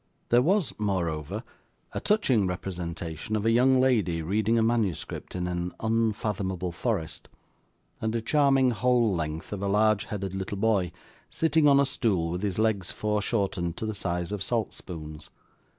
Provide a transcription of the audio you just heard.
There was, moreover, a touching representation of a young lady reading a manuscript in an unfathomable forest, and a charming whole length of a large headed little boy, sitting on a stool with his legs fore shortened to the size of salt spoons.